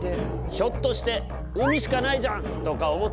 ひょっとして「海しかないじゃん！」とか思った？